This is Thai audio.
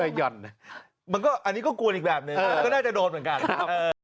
เฮ้ยหย่อนมันก็อันนี้ก็กลัวอีกแบบนึงเออก็น่าจะโดนเหมือนกันเออ